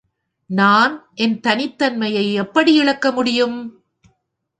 நான் என் தனித் தன்மையை எப்படி இழக்க முடியும்?